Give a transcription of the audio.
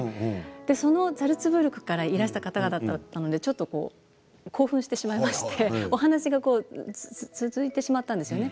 そのザルツブルクからいらした方々だったのでちょっと興奮してしまいましてお話が続いてしまったんです。